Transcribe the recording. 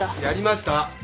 やりました！